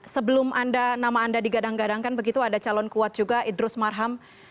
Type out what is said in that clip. sebelum nama anda digadang gadangkan begitu ada calon kuat juga idrus marham